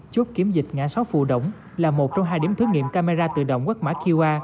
chốt kiếm dịch ngã sáu phù đổng là một trong hai điểm thử nghiệm camera tự động quét mã qia